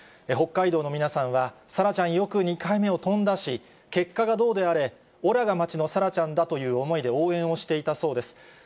北海道の皆さんは、沙羅ちゃん、よく２回目を飛んだし、結果がどうであれ、おらが町の沙羅ちゃんだという思いで応援をしていたそうです。